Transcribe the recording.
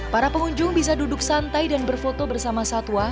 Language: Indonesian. para pengunjung bisa duduk santai dan berfoto bersama satwa